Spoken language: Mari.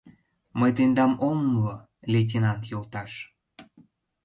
Мый тендам ом умыло, лейтенант йолташ!